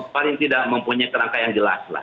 paling tidak mempunyai kerangka yang jelas lah